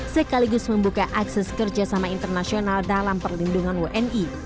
sekaligus membuka akses kerjasama internasional dalam perlindungan wni